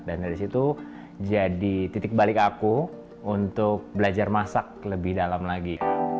dan dari situ jadi titik balik aku untuk belajar masak lebih dalam lagi